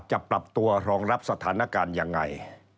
จะปรับตัวรองรับสถานการณ์ยังไง